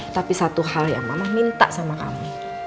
tapi satu hal yang mama minta sama kami